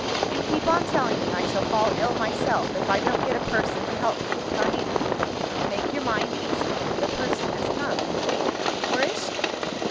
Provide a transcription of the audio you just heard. You keep on telling me I shall fall ill myself, if I don't get a person to help me with Carmina. Make your mind easy the person has come." "Where is she?"